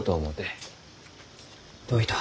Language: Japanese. どういた？